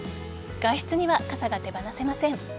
外出には傘が手放せません。